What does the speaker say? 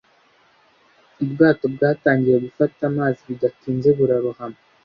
Ubwato bwatangiye gufata amazi bidatinze burarohama.